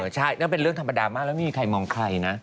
ใช่นั่นเป็นเรื่องธรรมดามากแล้วไม่มีใครมองใครนะ